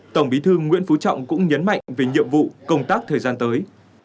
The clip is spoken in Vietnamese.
tổng bí thư nguyễn phú trọng cũng nhấn mạnh về nhiệm vụ công tác thời gian tới